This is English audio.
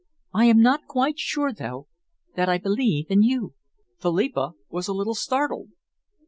"I am not quite sure, though, that I believe in you." Philippa was a little startled.